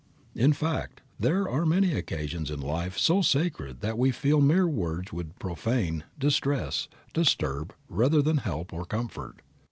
In fact, there are many occasions in life so sacred that we feel mere words would profane, distress, disturb rather than help or comfort.